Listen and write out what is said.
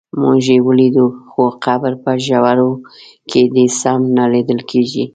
موږ یې ولیدلو خو قبر په ژورو کې دی سم نه لیدل کېږي.